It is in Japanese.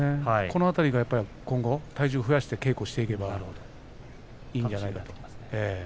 この辺りが今後、体重を増やして稽古していけばいいんじゃないかと思います。